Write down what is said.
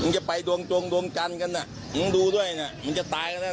จะไปดวงจงดวงจันทร์กันน่ะมึงดูด้วยนะมึงจะตายกันแล้ว